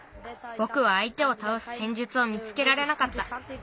ぼくはあいてをたおすせんじゅつを見つけられなかった。